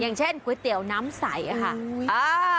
อย่างเช่นก๋วยเตี๋ยวน้ำใสอ่ะค่ะอื้ออ่า